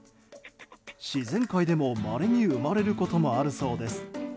自然界でも、まれに生まれることもあるそうです。